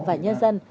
và nhân dân